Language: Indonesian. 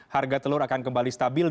harga telur akan kembali stabil